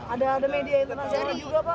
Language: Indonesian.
ada media internasional juga pak